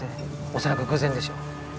恐らく偶然でしょう。